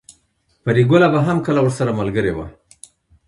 پريګله به هم کله ورسره ملګرې وه